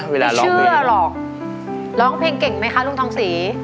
ไม่เชื่อหรอกร้องเพลงเก่งไหมคะลุงทองศรี